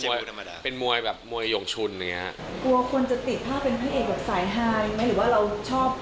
กลัวคนจะติดภาพเป็นผู้เอกสายทายไหมหรือว่าเราชอบ